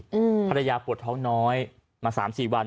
ทันตรายาห์ปวดท้องน้อยมา๓๔วัน